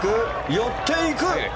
寄っていく。